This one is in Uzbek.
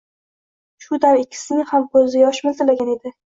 Shu dam ikkisining ham ko’zida yosh miltillagan edi.